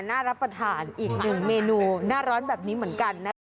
รับประทานอีกหนึ่งเมนูหน้าร้อนแบบนี้เหมือนกันนะคะ